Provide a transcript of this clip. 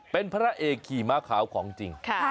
เป็นพระเอกขี่ม้าขาวของจริง